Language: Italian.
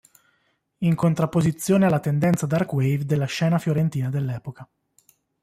In contrapposizione alla tendenza darkwave della scena fiorentina dell'epoca.